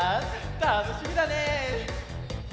たのしみだね！